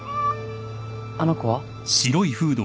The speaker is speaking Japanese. あの子は？